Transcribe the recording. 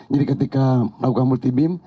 jadi ketika melakukan multi beam